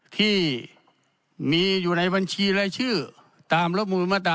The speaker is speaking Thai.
ที่มีอยู่ในบัญชีรายชื่อตามรับมูลมาตรา